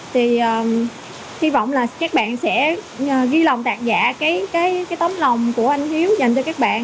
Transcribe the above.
thì hy vọng là các bạn sẽ ghi lòng tác giả cái tấm lòng của anh hiếu dành cho các bạn